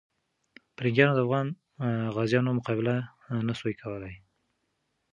پرنګیانو د افغان غازیانو مقابله نسو کولای.